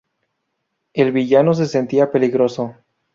El villano se sentía peligroso.